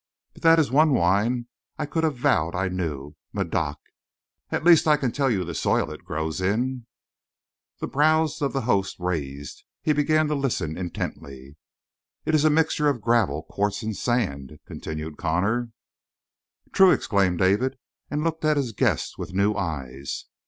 "But that is one wine I could have vowed I knew Médoc. At least, I can tell you the soil it grows in." The brows of the host raised; he began to listen intently. "It is a mixture of gravel, quartz and sand," continued Connor. "True!" exclaimed David, and looked at his guest with new eyes.